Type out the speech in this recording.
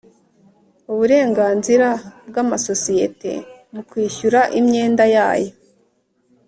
uburenganzira bw amasosiyete mu kwishyura imyenda yayo